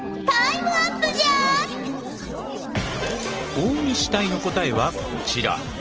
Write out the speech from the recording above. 大西隊の答えはこちら。